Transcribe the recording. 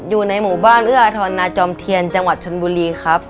อยู่ในหมู่บ้านเอื้ออาทรนาจอมเทียนจังหวัดชนบุรีครับ